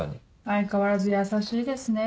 相変わらず優しいですね